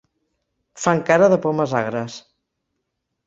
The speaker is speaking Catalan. Fan cara de pomes agres.